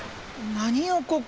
何やここ。